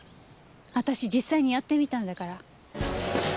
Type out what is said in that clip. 私実際にやってみたんだから。